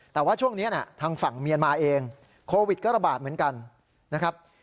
แต่ว่าช่วงนี้ทางฝั่งเมียนมาเองโควิดก็ระบาดเหมือนกันนะครับ